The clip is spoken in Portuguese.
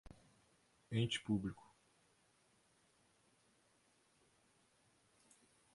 ente público